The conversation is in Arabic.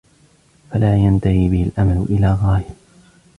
فَلَا يَنْتَهِي بِهِ الْأَمَلُ إلَى غَايَةٍ